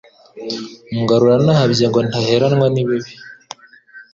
Ungarura nahabye ngo ntaheranwa ni ibibi